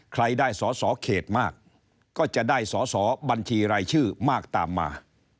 ใครได้สอสอเขตมากก็จะได้สอสอบัญชีรายชื่อมากตามมา